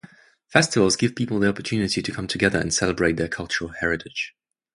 Festivals give people the opportunity to come together and celebrate their cultural heritage.